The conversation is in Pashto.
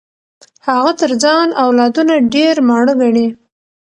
هغه تر ځان اولادونه ډېر ماړه ګڼي.